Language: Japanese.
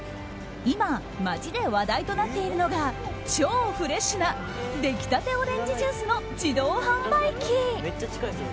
今、街で話題となっているのが超フレッシュな出来たてオレンジジュースの自動販売機。